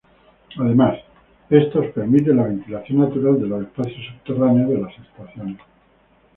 Además, estos permiten la ventilación natural de los espacios subterráneos de las estaciones.